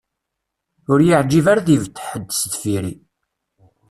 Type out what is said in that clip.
Ur y-iεǧib ara ad d-ibedd ḥedd sdeffir-i.